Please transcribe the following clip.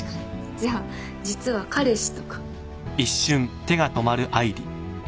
じゃあ実は彼氏とか。